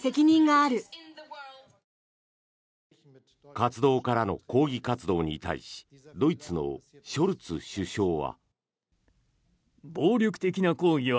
活動家らの抗議活動に対しドイツのショルツ首相は。